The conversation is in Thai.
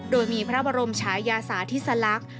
โดยมีพระบรมชายาสาธิสลักษณ์